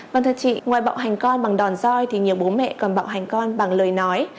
vâng thưa chị ngoài bạo hành con bằng đòn roi thì nhiều bố mẹ còn bạo hành con bằng lời nói